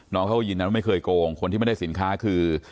น้องเขาก็ยืนยันว่าไม่เคยโกงคนที่ไม่ได้สินค้าคือ